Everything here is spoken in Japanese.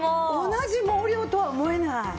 同じ毛量とは思えない。